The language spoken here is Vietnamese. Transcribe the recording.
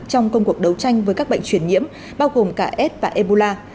trong công cuộc đấu tranh với các bệnh truyền nhiễm bao gồm cả s và ebola